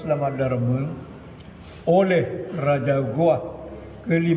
melambangkan empat buah tiang yang berdiri